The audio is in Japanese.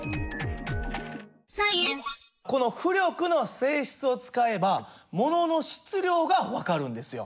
この浮力の性質を使えば物の質量が分かるんですよ。